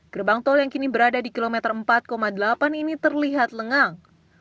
gerbang tol yang kini berada di kilometer empat delapan ini terlihat lengang